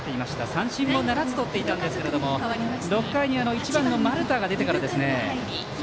三振も７つとっていたんですけれども６回に１番の丸田が出てからですね。